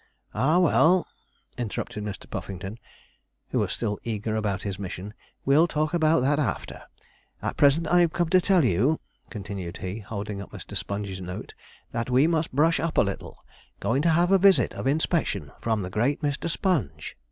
'Ah, well,' interrupted Mr. Puffington, who was still eager about his mission, 'we'll talk about that after. At present I'm come to tell you,' continued he, holding up Mr. Sponge's note, 'that we must brush up a little going to have a visit of inspection from the great Mr. Sponge.'